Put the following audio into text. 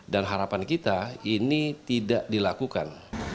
dan harapan kita ini tidak dilakukan